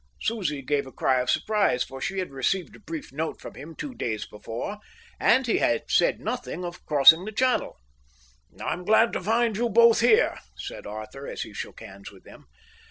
Susie gave a cry of surprise, for she had received a brief note from him two days before, and he had said nothing of crossing the Channel. "I'm glad to find you both here," said Arthur, as he shook hands with them.